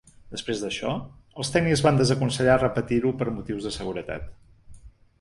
Després d’això, els tècnics van desaconsellar repetir-ho per motius de seguretat.